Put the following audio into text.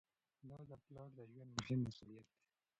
دا د پلار د ژوند مهم مسؤلیت دی.